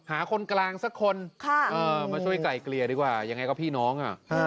หาคนกลางสักคนมาช่วยไกลเกลี่ยดีกว่ายังไงก็พี่น้อง